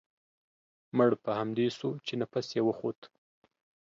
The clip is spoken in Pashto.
مړ په همدې سو چې نفس يې و خوت.